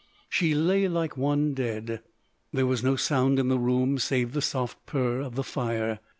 She lay like one dead. There was no sound in the room save the soft purr of the fire.